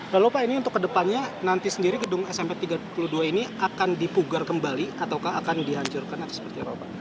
jadi apa ini untuk kedepannya nanti sendiri gedung smp tiga puluh dua ini akan dipugar kembali ataukah akan dihancurkan atau seperti apa pak